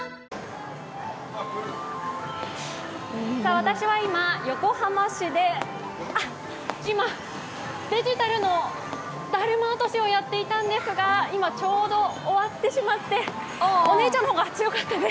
私は今、横浜市でデジタルのだるま落としをやっていたんですが今、ちょうど終わってしまってお姉ちゃんの方が強かったね。